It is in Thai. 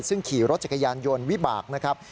ซึ่งขี่รถจักรยานยนต์วิบากนะครับ